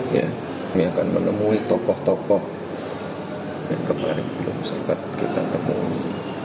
kami akan menemui tokoh tokoh yang kemarin belum sempat kita temui